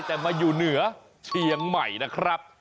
แต่มาอยู่เหนือเชียงใหม่นะครับ